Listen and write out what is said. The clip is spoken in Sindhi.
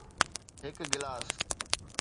هڪ گلاس